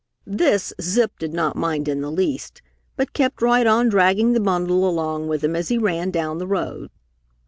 This Zip did not mind in the least, but kept right on dragging the bundle along with him as he ran down the road.